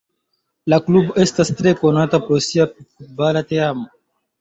La klubo estas tre konata pro sia futbala teamo.